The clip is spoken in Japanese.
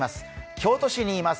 京都市にいます